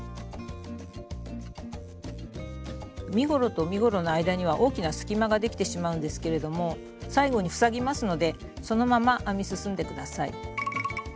身ごろと身ごろの間には大きな隙間ができてしまうんですけれども最後に塞ぎますのでそのまま編み進んで下さい。